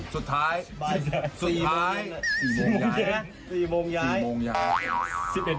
สุดท้าย๔โมงเย็น